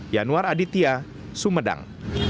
yanwar aditya sumedang